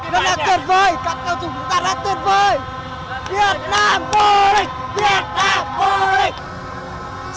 đó là tuyệt vời các cao trung của chúng ta là tuyệt vời việt nam vô địch việt nam vô địch